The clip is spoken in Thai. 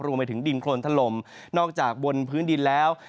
รวมไปถึงดินโครนถล่มนอกจากบนพื้นดินแล้ว